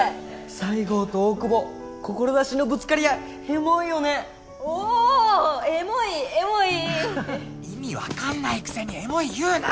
西郷と大久保志のぶつかり合いエモいよねおおエモいエモい意味分かんないくせにエモい言うな！